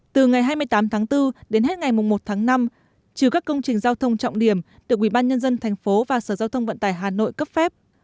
từ ngày hai mươi tám tháng bốn đến hết ngày mùa một tháng năm trừ các công trình giao thông trọng điểm được quỹ ban nhân dân thành phố và sở giao thông vận tải hà nội cấp phép